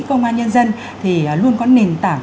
công an nhân dân thì luôn có nền tảng